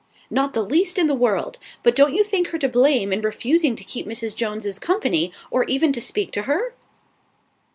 "Not the least in the world. But don't you think her to blame in refusing to keep Mrs. Jones's company, or even to speak to her?"